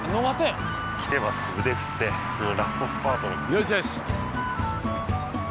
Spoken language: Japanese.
よしよし